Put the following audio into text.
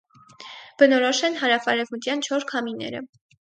Բնորոշ են հարավարևմտյան չոր քամիները։